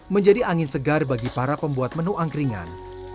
menjadi angin segar bagi para pembuat menu angkringan